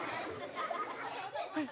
はい。